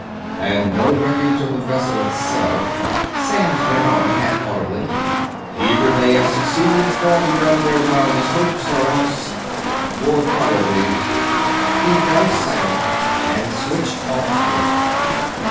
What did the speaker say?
"And no wreckage of the vessel itself," Samms went on, half audibly. "Either they have succeeded far beyond their wildest hopes or else ... more probably...." He fell silent and switched off the plate.